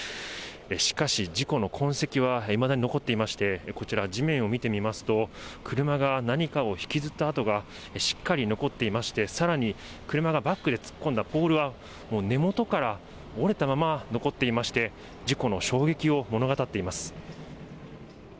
しかし、事故の痕跡はいまだに残っていまして、こちら、地面を見てみますと、車が何かを引きずった跡がしっかり残っていまして、さらに車がバックで突っ込んだポールは、もう根元から折れたまま、残っていまして、事故の衝撃を物語っています。